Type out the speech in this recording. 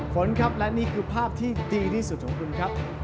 ฝนครับและนี่คือภาพที่ดีที่สุดของคุณครับ